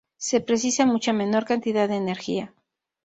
Se precisa mucha menor cantidad de energía.